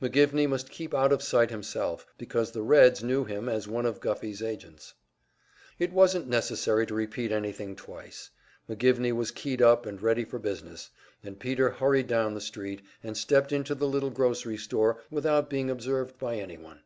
McGivney must keep out of sight himself, because the "Reds" knew him as one of Guffey's agents. It wasn't necessary to repeat anything twice. McGivney was keyed up and ready for business, and Peter hurried down the street, and stepped into the little grocery store without being observed by anyone.